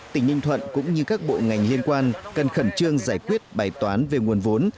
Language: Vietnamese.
tỉnh ninh thuận cũng như các bộ ngành liên quan cần khẩn trương giải quyết bài toán về nguồn vốn